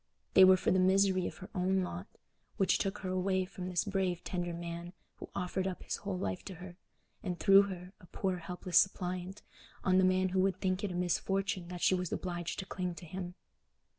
They were for the misery of her own lot, which took her away from this brave tender man who offered up his whole life to her, and threw her, a poor helpless suppliant, on the man who would think it a misfortune that she was obliged to cling to him.